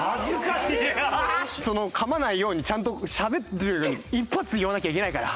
その噛まないようにちゃんとしゃべるように一発で言わなきゃいけないから。